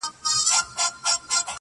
څنگه دې پر مخ د دنيا نم راغلی~